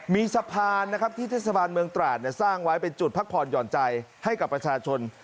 มีสะพานนะครับที่เทศบาลเมืองตราดสร้างไว้เป็นจุดพักผ่อนหย่อนใจให้กับประชาชน